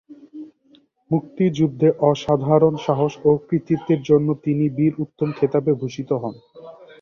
মুক্তিযুদ্ধে অসাধারণ সাহস ও কৃতিত্বের জন্য তিনি বীর উত্তম খেতাবে ভূষিত হন।